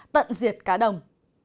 tận diệt cá đồng